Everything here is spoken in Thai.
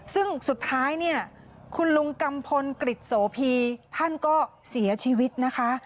ซึ่งสุดท้ายเนี่ยคุณลุงกัมพลกริจโสพีท่านก็เสียชีวิตนะคะ